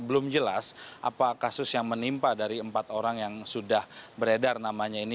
belum jelas apa kasus yang menimpa dari empat orang yang sudah beredar namanya ini